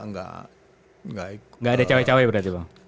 enggak ada cewek cewek berarti bang